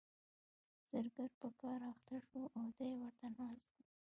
زرګر په کار اخته شو او دی ورته ناست دی.